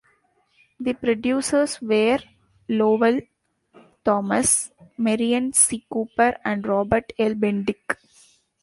The producers were Lowell Thomas, Merian C. Cooper, and Robert L. Bendick.